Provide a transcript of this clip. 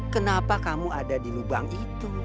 kenapa kamu ada di lubang itu